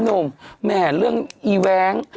โถนุ่มแม่เรื่องอีแวง